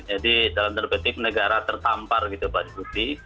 jadi dalam tanda petik negara tertampar gitu pak diputi